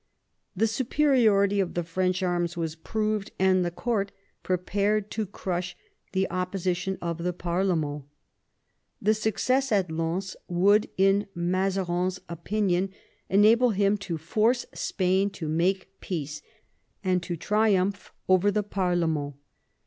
The superiority of the French arms was proved, and the court prepared to crush the opposition of the parlemeni The success at Lens would in Mazarin's opinion enable him to force Spain to make peace, and to triumph over the parlement.